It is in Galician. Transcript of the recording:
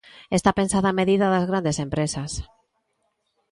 Está pensada a medida das grandes empresas.